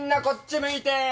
こっち向いて。